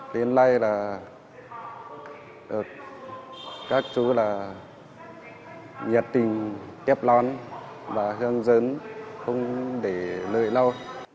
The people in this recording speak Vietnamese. đến nay là các chú là nhiệt tình kép lón và hướng dẫn không để lời lâu